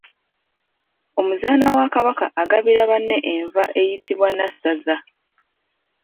Omuzaana wa Kabaka agabira banne enva ayitibwa Nassaza.